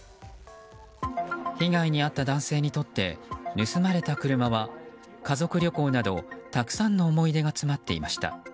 被害に遭った男性にとって盗まれた車は家族旅行など、たくさんの思い出が詰まっていました。